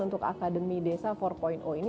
untuk akademi desa empat ini